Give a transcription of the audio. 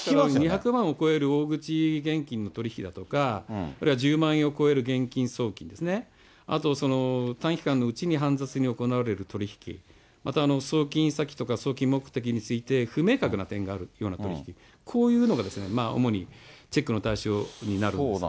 ２００万を超える大口現金の取り引きだとか、あるいは１０万円を超える現金送金ですね、あと短期間のうちに煩雑に行われる取り引き、また送金先とか送金目的について、不明確な点があるような取り引き、こういうのが主にチェックの対象になるんです。